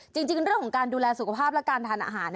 จริงเรื่องของการดูแลสุขภาพและการทานอาหาร